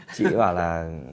chị bảo là